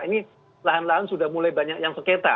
ini lahan lahan sudah mulai banyak yang seketa